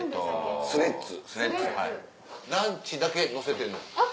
ランチだけ載せてるの。